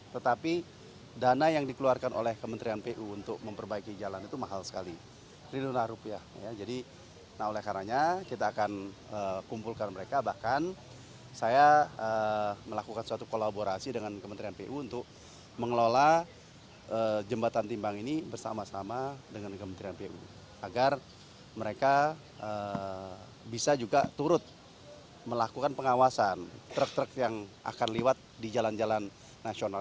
tetapi dana yang dikeluarkan oleh kementerian pu untuk memperbaiki jalan itu mahal sekali rilunah rupiah jadi nah oleh karanya kita akan kumpulkan mereka bahkan saya melakukan suatu kolaborasi dengan kementerian pu untuk mengelola jembatan timbang ini bersama sama dengan kementerian pu agar mereka bisa juga turut melakukan pengawasan truk truk yang akan liwat di jalan jalan nasional